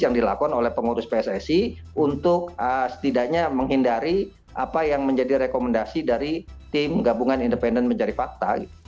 yang dilakukan oleh pengurus pssi untuk setidaknya menghindari apa yang menjadi rekomendasi dari tim gabungan independen mencari fakta